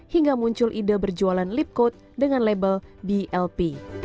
hingga muncul ide berjualan lip code dengan label blp